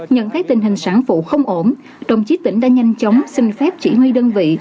nhận thấy tình hình sản phụ không ổn đồng chí tỉnh đã nhanh chóng xin phép chỉ huy đơn vị